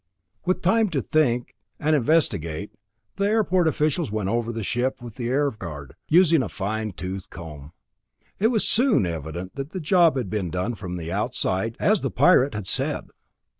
With time to think and investigate, the airport officials went over the ship with the Air Guard, using a fine tooth comb. It was soon evident that the job had been done from the outside, as the Pirate had said.